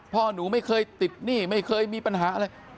พ่อหนูไม่เคยติดหนี้ไม่เคยมีปัญหาอะไร